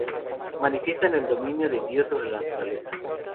Manifiestan el dominio de Dios sobre la naturaleza.